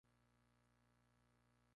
Luego cumplió el servicio militar.